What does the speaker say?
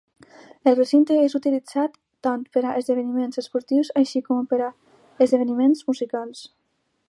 El recinte és utilitzat tant per a esdeveniments esportius així com per a esdeveniments musicals.